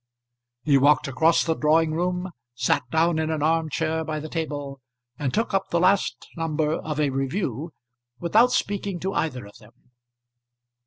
He walked across the drawing room, sat down in an arm chair by the table, and took up the last number of a review, without speaking to either of them.